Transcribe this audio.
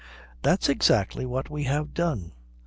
"That's exactly what we have done.